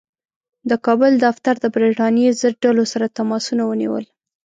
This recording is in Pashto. د کابل دفتر د برټانیې ضد ډلو سره تماسونه ونیول.